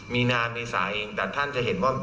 มีนาเมษาเองแต่ท่านจะเห็นว่า